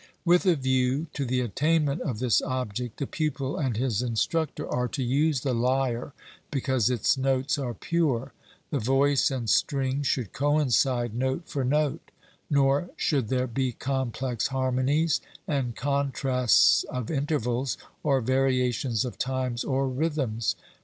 With a view to the attainment of this object, the pupil and his instructor are to use the lyre because its notes are pure; the voice and string should coincide note for note: nor should there be complex harmonies and contrasts of intervals, or variations of times or rhythms.